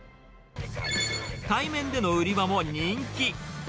対面での売り場も人気。